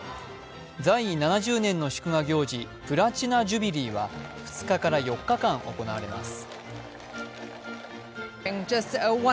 在位７０年の祝賀行事、プラチナ・ジュビリーは２日から４日間、行われます。